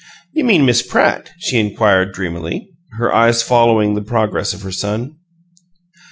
"You mean Miss Pratt?" she inquired, dreamily, her eyes following the progress of her son.